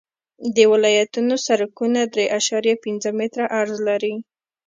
د ولایتونو سرکونه درې اعشاریه پنځه متره عرض لري